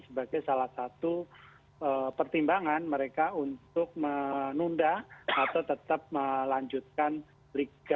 sebagai salah satu pertimbangan mereka untuk menunda atau tetap melanjutkan liga satu